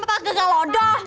patah gagal lodoh